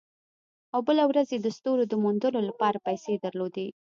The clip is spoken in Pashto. او بله ورځ یې د ستورو د موندلو لپاره پیسې درلودې